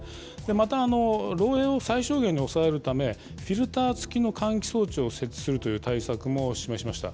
また、漏えいを最小限に抑えるため、フィルター付きの換気装置を設置するという対策も示しました。